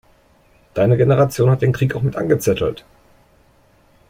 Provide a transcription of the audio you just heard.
Deine Generation hat den Krieg auch mit angezettelt!